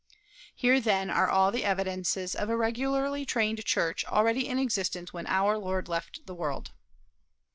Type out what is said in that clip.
Here, then, are all the evidences of a regularly trained church already in existence when our Lord left the world.